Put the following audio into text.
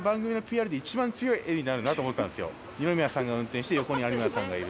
二宮さんが運転して横に有村さんがいる。